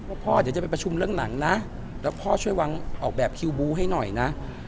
พ่อเดี๋ยวจะไปประชุมเรื่องหนังนะแล้วพ่อช่วยวางออกแบบคิวบูให้หน่อยนะ